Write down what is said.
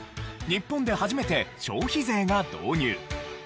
日本で初めて消費税が導入。